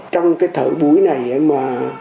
trong cái thở búi này mà